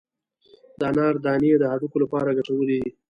د انار دانې د هډوکو لپاره ګټورې دي.